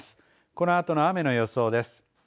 このあとの雨の予想です。